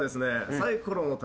サイコロの旅